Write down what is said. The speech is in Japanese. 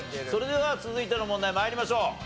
それでは続いての問題参りましょう。